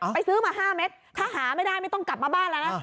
ซื้อมา๕เม็ดถ้าหาไม่ได้ไม่ต้องกลับมาบ้านแล้วนะ